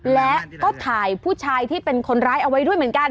และก็ถ่ายผู้ชายที่เป็นคนร้ายเอาไว้ด้วยเหมือนกัน